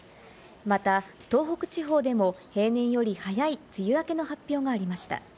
また、東北地方でも平年より早い梅雨明けの発表がありました。